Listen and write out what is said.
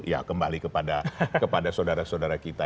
ya kembali kepada saudara saudara kita